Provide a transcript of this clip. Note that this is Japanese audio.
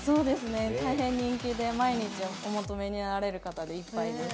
大変人気で毎日お求めになられる方でいっぱいです。